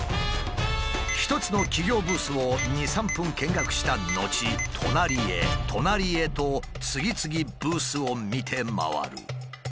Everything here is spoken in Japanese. １つの企業ブースを２３分見学した後隣へ隣へと次々ブースを見て回る。